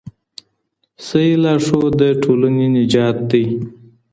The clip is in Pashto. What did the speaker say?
صحيح لارښود د ټولني نجات دی.